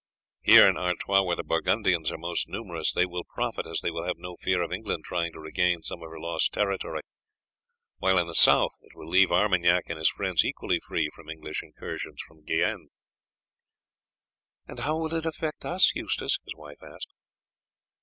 Here, in Artois, where the Burgundians are most numerous, they will profit, as they will have no fear of England trying to regain some of her lost territory, while in the south it will leave Armagnac and his friends equally free from English incursions from Guienne." "And how will it affect us, Eustace?" his wife asked.